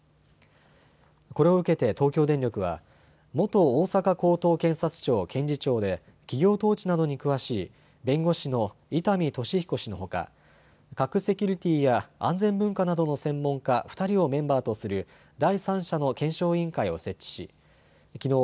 これを受けて東京電力は元大阪高等検察庁検事長で企業統治などに詳しい弁護士の伊丹俊彦氏のほか核セキュリティや安全文化などの専門家２人をメンバーとする第三者の検証委員会を設置しきのう